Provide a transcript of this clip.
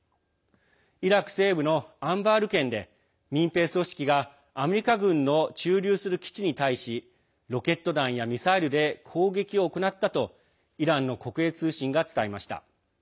イラク西部のアンバール県で民兵組織がアメリカ軍の駐留する基地に対しロケット弾やミサイルで攻撃を行ったとイランの国営通信が伝えました。